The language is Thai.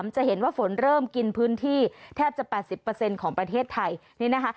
จะเห็นว่าฝนเริ่มกินพื้นที่แทบจะ๘๐ของประเทศไทยนี่นะคะ